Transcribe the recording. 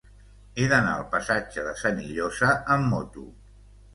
He d'anar al passatge de Senillosa amb moto.